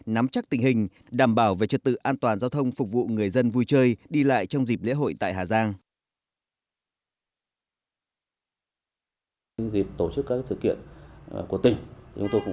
nắm chắc tình hình đảm bảo về trật tự an toàn giao thông phục vụ người dân vui chơi đi lại trong dịp lễ hội tại hà giang